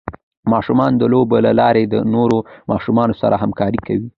ماشومان د لوبو له لارې د نورو ماشومانو سره همکاري کوي.